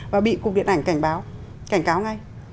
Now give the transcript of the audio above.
và bị cục điện ảnh cảnh báo cảnh cáo ngay